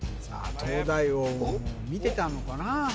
「東大王」を見てたのかな？